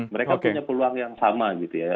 mereka punya peluang yang sama gitu ya